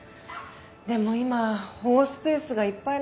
でも今保護スペースがいっぱいなんですよ。